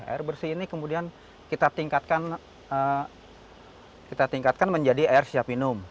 air bersih ini kemudian kita tingkatkan kita tingkatkan menjadi air siap minum